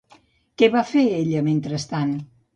Què va fer ella mentrestant?